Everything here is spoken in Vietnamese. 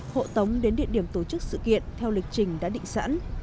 hộ tống đến địa điểm tổ chức sự kiện theo lịch trình đã định sẵn